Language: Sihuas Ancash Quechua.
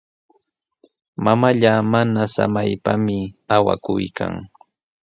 Mamallaa mana samaypami awakuykan.